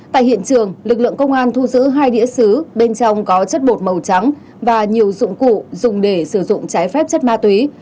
tại hiện trường lực lượng công an thu giữ hai đĩa xứ bên trong có chất bột màu trắng và nhiều dụng cụ dùng để sử dụng trái phép chất ma túy